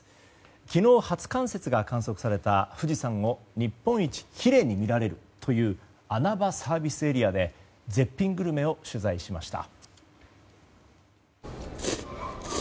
昨日、初冠雪が観測された富士山を日本一きれいに見られるという穴場サービスエリアで絶品グルメを取材しました。